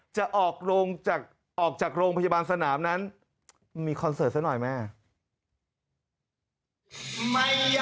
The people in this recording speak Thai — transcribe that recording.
จะออกจากออกจากโรงพยาบาลสนามนั้นมีคอนเสิร์ตซะหน่อยแม่